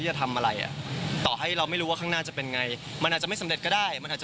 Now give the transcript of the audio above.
อยากไปทำด้วยเรื่องของสตันท์